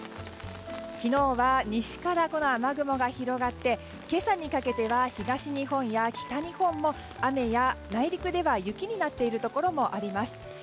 昨日は西から雨雲が広がって今朝にかけては東日本や北日本も内陸では、雪になっているところがあります。